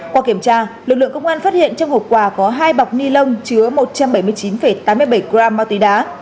qua kiểm tra lực lượng công an phát hiện trong hộp quà có hai bọc ni lông chứa một trăm bảy mươi chín tám mươi bảy gram ma túy đá